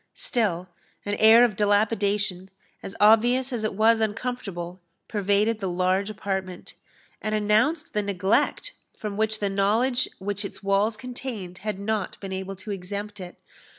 Still an air of dilapidation, as obvious as it was uncomfortable, pervaded the large apartment, and announced the neglect from which the knowledge which its walls contained had not been able to exempt it.